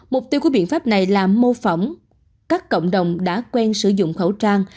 mục tiêu của biện pháp này là mô phỏng các cộng đồng đã quen sử dụng khẩu trang